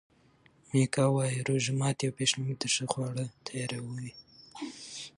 میکا وايي روژه ماتي او پیشلمي ته ښه خواړه تیاروي.